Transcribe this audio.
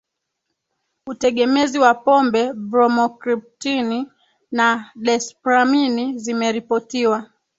utegemezi wa pombe Bromokriptini na desipramini zimeripotiwa